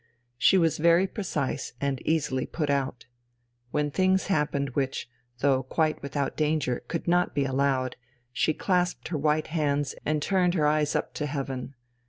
She was very precise and easily put out. When things happened which, though quite without danger, could not be allowed, she clasped her white hands and turned her eyes up to heaven.